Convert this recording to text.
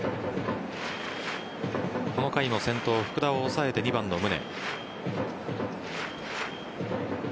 この回の先頭・福田を抑えて２番の宗。